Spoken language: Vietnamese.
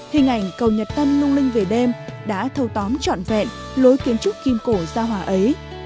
hình ảnh cầu nhật tân lung linh về đêm đã thâu tóm trọn vẹn lối kiến trúc kim cổ ra hòa ấy